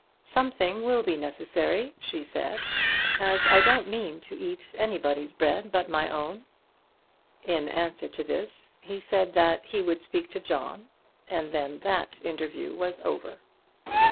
"Something will be necessary," she said, "as I don't mean to eat anybody's bread but my own." In answer to this he said that he would speak to John, and then that interview was over.